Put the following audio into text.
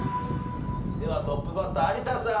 ではトップバッター有田さん。